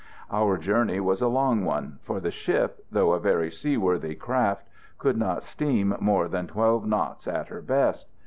Our journey was a long one, for the ship, though a very seaworthy craft, could not steam more than twelve knots at her best.